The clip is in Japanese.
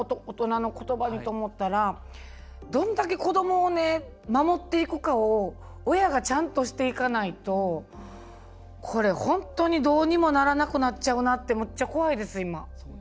大人のことばにと思ったらどんだけ子どもを守っていくかを親がちゃんとしていかないと本当にどうにもならなくなっちゃうなってむっちゃ怖いです、今。